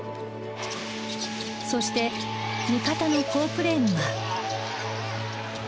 そして味方の好プレーには。